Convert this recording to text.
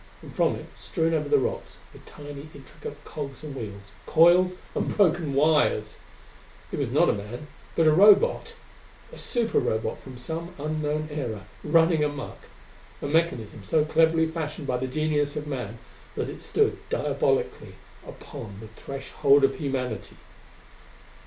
And from it, strewn over the rocks, were tiny intricate cogs and wheels, coils and broken wires! He was not a man, but a Robot! A Super Robot from some unknown era, running amuck! A mechanism so cleverly fashioned by the genius of man that it stood diabolically upon the threshhold of humanity!